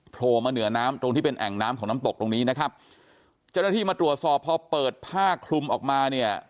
โผล่มาเหนือน้ำตรงที่เป็นแอ่งน้ำของน้ำตกตรงนี้นะครับเจ้าหน้าที่มาตรวจสอบพอเปิดผ้าคลุมออกมาเนี่ย